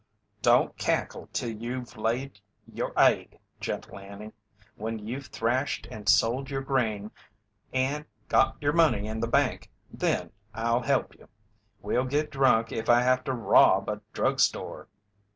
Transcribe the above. "Don't cackle till you've laid your aig, Gentle Annie. When you've thrashed and sold your grain and got your money in the bank, then I'll help you. We'll git drunk if I have to rob a drug store."